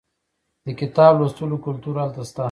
د کتاب لوستلو کلتور هلته شته.